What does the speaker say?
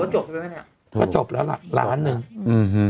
หรือว่าจบไปแล้วไหมเนี่ย